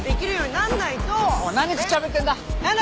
おい何くっちゃべってんだ？